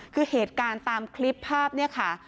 คือเหตุการณ์ตามคลิปภาพเนี่ยค่ะ